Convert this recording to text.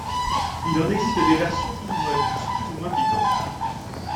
Il en existe des versions plus ou moins douces, plus ou moins piquantes.